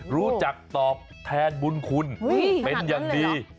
รู้จักตอบแทนบุญคุณเป็นอย่างดี